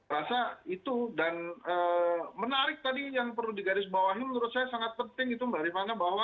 rasa itu dan menarik tadi yang perlu digarisbawahi menurut saya sangat penting itu mbak rifana bahwa